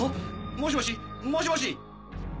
もしもしもしもし！